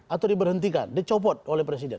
atau diberhentikan dicopot oleh presiden